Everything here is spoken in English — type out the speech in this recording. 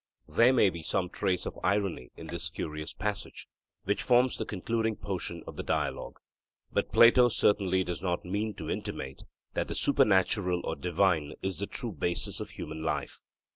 There may be some trace of irony in this curious passage, which forms the concluding portion of the Dialogue. But Plato certainly does not mean to intimate that the supernatural or divine is the true basis of human life.